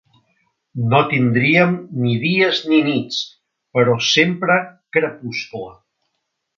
No tindríem ni dies ni nits, però sempre crepuscle.